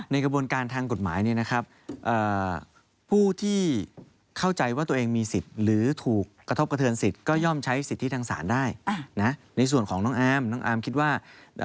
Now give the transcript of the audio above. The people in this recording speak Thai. ในกระบวนการทั้งกฎหมายนี้นะครับ